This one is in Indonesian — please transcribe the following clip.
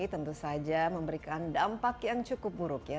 tentu saja memberikan dampak yang cukup buruk ya